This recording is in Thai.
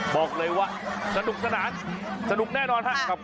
บอกเลยว่าสนุกสนานสนุกแน่นอนครับ